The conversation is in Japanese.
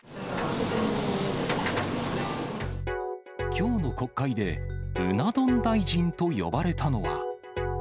きょうの国会で、うな丼大臣と呼ばれたのは。